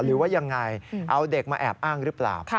หรือว่ายังไงเอาเด็กมาแอบอ้างหรือเปล่า